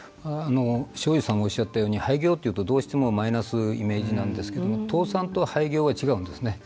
庄司さんもおっしゃったように廃業というとマイナスイメージなんですけど倒産と廃業は違うんですね。